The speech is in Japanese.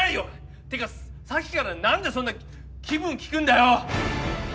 っていうかさっきから何でそんな気分聞くんだよ！